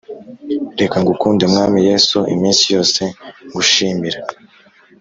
Reka ngukunde mwami yesu iminsi yose ngushimira